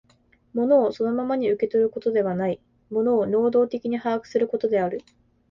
物をそのままに受け取ることではない、物を能働的に把握することである。